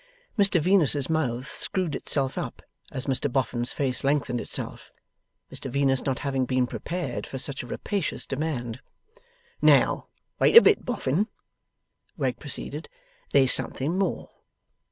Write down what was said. Mr Venus's mouth screwed itself up, as Mr Boffin's face lengthened itself, Mr Venus not having been prepared for such a rapacious demand. 'Now, wait a bit, Boffin,' Wegg proceeded, 'there's something more.